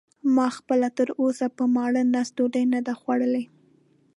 ما خپله تراوسه په ماړه نس ډوډۍ نه ده خوړلې.